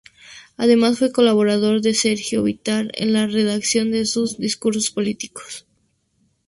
Además, fue colaborador de Sergio Bitar en la redacción de sus discursos políticos.